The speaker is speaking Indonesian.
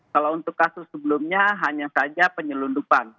kalau untuk kasus sebelumnya hanya saja penyelundupan